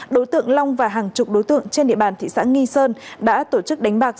đối tượng long và hàng chục đối tượng trên địa bàn thị xã nghi sơn đã tổ chức đánh bạc